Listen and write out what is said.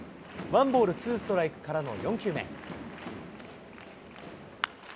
ワンボールツーストライクからの４球目。